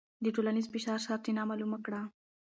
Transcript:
د ټولنیز فشار سرچینه معلومه کړه.